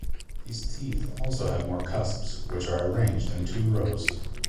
These teeth also have more cusps, which are arranged in two rows.